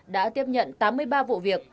đã tiếp nhận tám mươi ba vụ việc